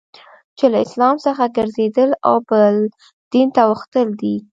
چي له اسلام څخه ګرځېدل او بل دین ته اوښتل دي.